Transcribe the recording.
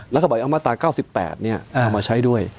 แล้วก็บอกเอามาตรา๙๘เอามาใช้ด้วย